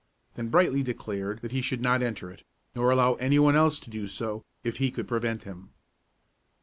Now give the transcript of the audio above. Then Brightly declared that he should not enter it, nor allow any one else to do so, if he could prevent him.